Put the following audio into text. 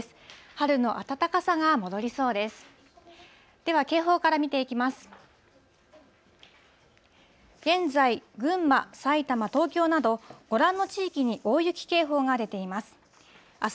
春の暖かさが戻りそうです。